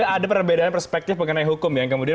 ada perbedaan perspektif mengenai hukum yang kemudian